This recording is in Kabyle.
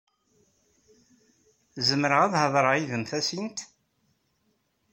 Zemreɣ ad hedreɣ yid-m tasint?